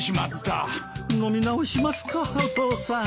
飲み直しますかお父さん。